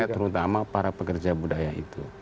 terutama para pekerja budaya itu